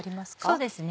そうですね。